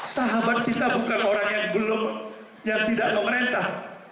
sahabat kita bukan orang yang belum yang tidak memerintah